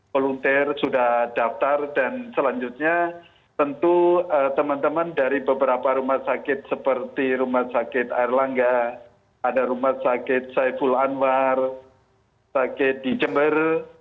volunteer sudah daftar dan selanjutnya tentu teman teman dari beberapa rumah sakit seperti rumah sakit air langga ada rumah sakit saiful anwar sakit di jember